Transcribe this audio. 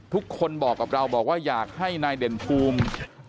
ทุกคนบอกกับเราบอกว่าอยากให้นายเด่นภูมิ